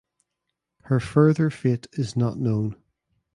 Her further fate is not known.